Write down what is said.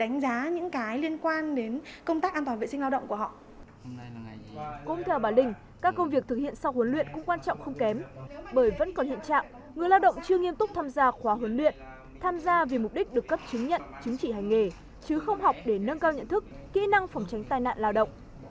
công việc thực hiện sau huấn luyện cũng quan trọng không kém bởi vẫn còn hiện trạng người lao động chưa nghiêm túc tham gia khóa huấn luyện tham gia vì mục đích được cấp chứng nhận chứng trị hành nghề chứ không học để nâng cao nhận thức kỹ năng phòng tránh tai nạn lao động